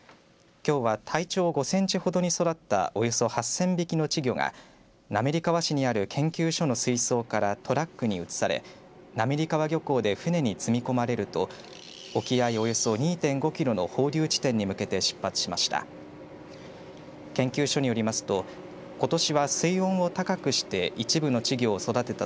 きょうは体長５センチほどに育ったおよそ８０００匹の稚魚が滑川市にある研究所の水槽からトラックに移され滑川漁港で船に積み込まれると沖合およそ２．５キロの放流地点に向けて出発しました。